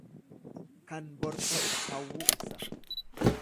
Kan bor ta'u hawwuu ibsa.